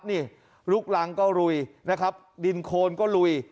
นี่ลุกรังก็ลุยนะครับดินโคนก็ลุย